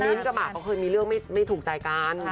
มีนกับมากก็คือมีเรื่องไม่ถูกใจกัน